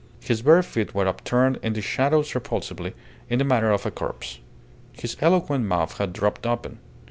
His bare feet were upturned in the shadows repulsively, in the manner of a corpse. His eloquent mouth had dropped open.